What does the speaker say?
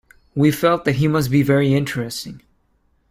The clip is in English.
We felt that he must be very interesting.